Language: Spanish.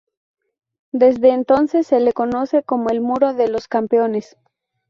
Desde entonces se le conoce como el "Muro de los Campeones".